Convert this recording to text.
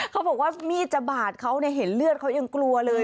เขาบอกว่ามีดจะบาดเขาเห็นเลือดเขายังกลัวเลย